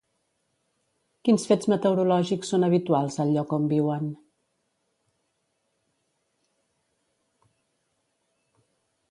Quins fets meteorològics són habituals al lloc on viuen?